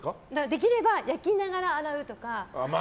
できれば焼きながら洗うとか。